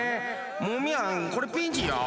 モミヤンこれピンチよ！